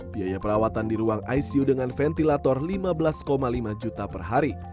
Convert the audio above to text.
biaya perawatan di ruang icu dengan ventilator lima belas lima juta per hari